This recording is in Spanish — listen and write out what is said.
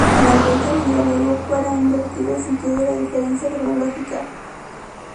La imprenta vendrá luego para invertir el sentido de la diferencia cronológica.